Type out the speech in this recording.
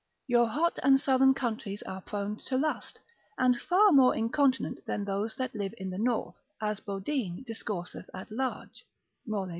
Your hot and southern countries are prone to lust, and far more incontinent than those that live in the north, as Bodine discourseth at large, Method, hist. cap.